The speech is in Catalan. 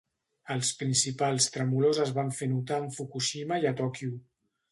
Els principals tremolors es van fer notar en Fukushima i a Tòquio.